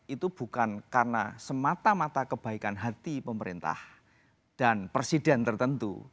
itu bukan karena semata mata kebaikan hati pemerintah dan presiden tertentu